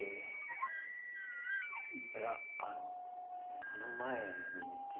いやあのその前に実は。